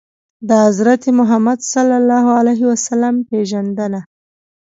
د حضرت محمد ﷺ پېژندنه